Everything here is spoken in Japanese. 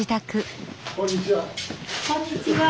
こんにちは。